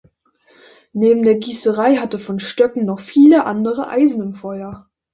Neben der Gießerei hatte von Stöcken noch „viele andere Eisen im Feuer“.